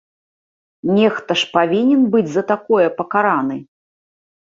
Нехта ж павінен быць за такое пакараны!